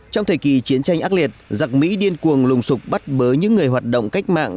trong thời kỳ chiến tranh ác liệt giặc mỹ điên cuồng lùng sụp bắt bớ những người hoạt động cách mạng